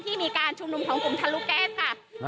มีการชุมนุมของกลุ่มทะลุแก๊สค่ะ